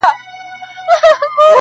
o میکده په نامه نسته، هم حرم هم محرم دی.